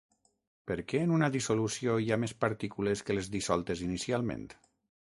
Per què en una dissolució hi ha més partícules que les dissoltes inicialment?